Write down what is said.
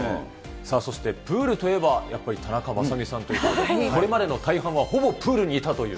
さあそして、プールといえばやっぱり田中雅美さんということで、これまでの大半はほぼプールにいたという。